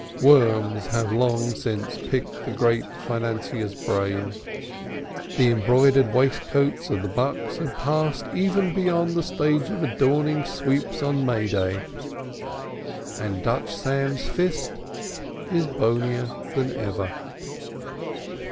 Worms have long since picked the great financier's brain, the embroidered waistcoats of the bucks have passed even beyond the stage of adorning sweeps on May Day, and Dutch Sam's fist is bonier than ever.